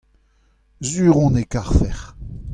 sur on e karfec'h.